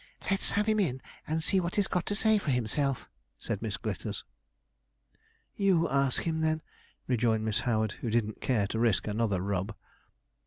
'Let's have him in, and see what he's got to say for himself,' said Miss Glitters. 'You ask him, then,' rejoined Miss Howard, who didn't care to risk another rub.